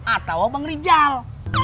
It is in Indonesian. atau bang rijal